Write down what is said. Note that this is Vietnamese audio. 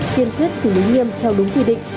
tiên tuyết xử lý nghiêm theo đúng quy định